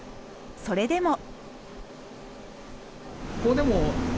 それでも。